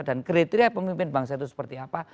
dan kriteria pemimpin bangsa itu seperti apa